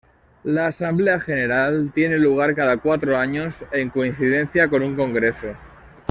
La Asamblea General tiene lugar cada cuatro años en coincidencia con un congreso.